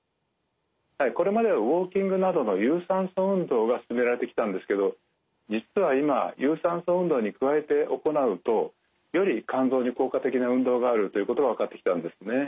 これまではウォーキングなどの有酸素運動が勧められてきたんですけど実は今有酸素運動に加えて行うとより肝臓に効果的な運動があるということが分かってきたんですね。